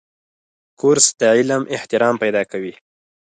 کورس د علم احترام پیدا کوي.